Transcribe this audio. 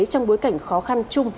trong bối cảnh khó khăn chung